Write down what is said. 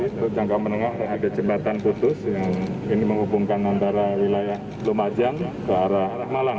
untuk jangka menengah ada jembatan putus yang ini menghubungkan antara wilayah lumajang ke arah malang